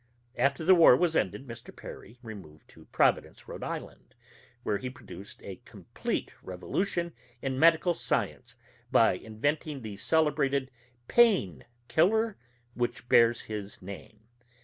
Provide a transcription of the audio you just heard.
After the war was ended, Mr. Perry removed to Providence, Rhode Island, where he produced a complete revolution in medical science by inventing the celebrated "Pain Killer" which bears his name.